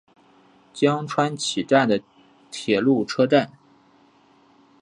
江川崎站的铁路车站。